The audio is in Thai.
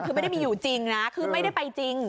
คือไม่ได้มีอยู่จริงนะคือไม่ได้ไปจริง